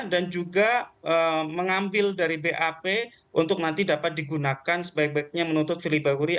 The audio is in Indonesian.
dan juga mengambil dari bap untuk nanti dapat digunakan sebaik baiknya menuntut firly bahuri